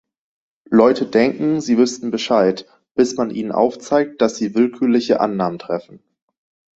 Leute denken, sie wüssten Bescheid, bis man ihnen aufzeigt, dass sie willkürliche Annahmen treffen.